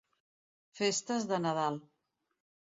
Festes de Nadal.